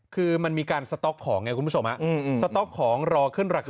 คือมันมีการสต๊อกของไงคุณผู้ชมสต๊อกของรอขึ้นราคา